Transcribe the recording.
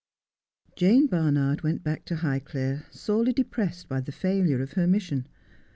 Jane Barnard went back to Highclere sorely depressed by the failure of her mission.